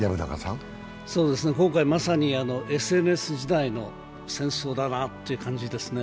今回まさにＳＮＳ時代の戦争だなという感じですね。